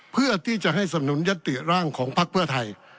เพื่อที่จะให้สำนุนยัตติร่างของพักเพื่อไทย